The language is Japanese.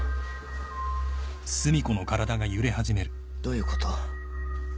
どういうこと？